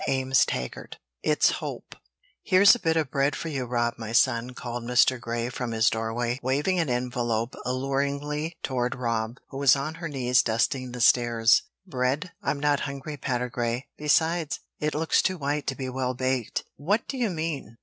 CHAPTER ELEVEN ITS HOPE "Here's a bit of bread for you, Rob, my son," called Mr. Grey from his doorway, waving an envelope alluringly toward Rob, who was on her knees dusting the stairs. "Bread? I'm not hungry, Patergrey; besides, it looks too white to be well baked. What do you mean?